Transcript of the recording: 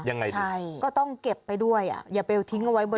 ยังไงดีใช่ก็ต้องเก็บไปด้วยอ่ะอย่าไปทิ้งเอาไว้บน